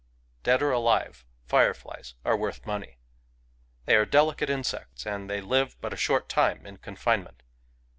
Dead or alive, fireflies are worth money. They are delicate insects, and they live but a short time in confinement.